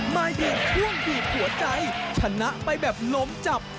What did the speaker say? มายืนช่วงบีบหัวใจชนะไปแบบล้มจับ